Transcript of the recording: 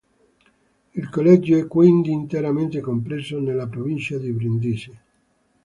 Il collegio è quindi interamente compreso nella provincia di Brindisi.